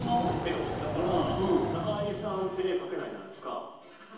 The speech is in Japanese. だから、中居さんって絵、描けないじゃないですか。